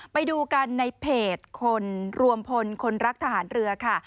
ไปดูกันในเพจคนรวมพลคนรักทหารเรือค่ะ